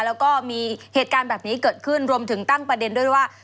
แล้วก็มีเหตุการณ์แบบนี้เกิดขึ้นรวมถึงตั้งประเด็นด้วยว่า